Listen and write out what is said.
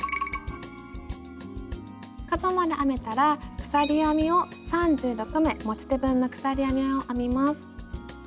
角まで編めたら鎖編みを３６目持ち手分の鎖編みを編みます。